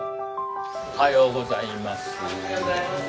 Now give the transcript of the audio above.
おはようございます。